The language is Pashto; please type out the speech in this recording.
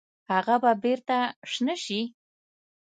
هغه به بیرته شنه شي؟